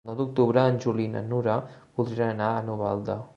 El nou d'octubre en Juli i na Nura voldrien anar a Novelda.